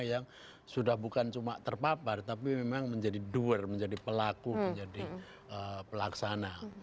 yang sudah bukan cuma terpapar tapi memang menjadi door menjadi pelaku menjadi pelaksana